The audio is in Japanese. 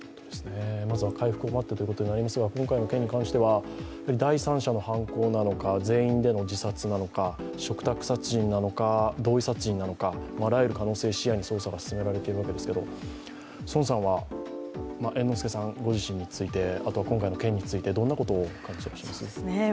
まずは回復を待ってということになりますが今回の件に関しては、第三者の犯行によるものなのか、全員の自殺なのか嘱託殺人なのか、同意殺人なのかあらゆる可能性を視野に捜査が続けられているわけですけれど猿之助さんご自身について、あとは今回の件についてどう感じてらっしゃいますか？